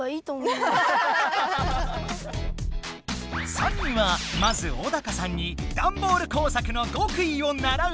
３人はまずオダカさんにダンボール工作の極意を習うことに。